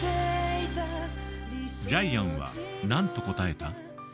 ジャイアンはなんと答えた？